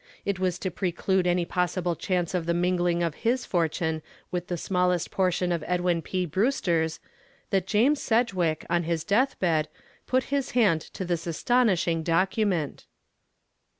It was to preclude any possible chance of the mingling of his fortune with the smallest portion of Edwin P. Brewster's that James Sedgwick, on his deathbed, put his hand to this astonishing instrument.